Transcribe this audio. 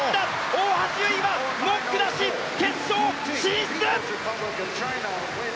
大橋悠依は文句なし決勝進出！